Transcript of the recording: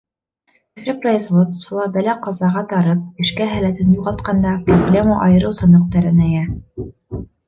Кеше производствола бәлә-ҡазаға тарып, эшкә һәләтен юғалтҡанда, проблема айырыуса ныҡ тәрәнәйә.